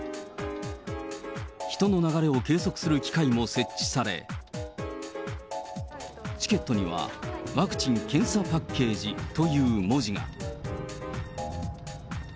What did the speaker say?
人の流れを計測する機械も設置され、チケットには、ワクチン・検査パッケージという文字が。